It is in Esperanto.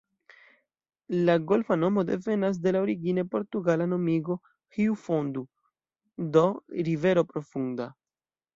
La golfa nomo devenas de la origine portugala nomigo "Rio Fondo", do "rivero profunda".